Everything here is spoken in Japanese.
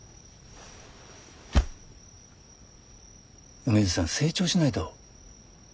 梅津さん成長しないと。